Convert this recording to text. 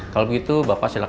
kalau begitu bapak silakan